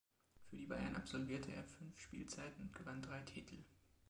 Für die Bayern absolvierte er fünf Spielzeiten und gewann drei Titel.